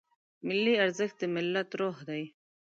ملي ارزښت د ملت روح دی.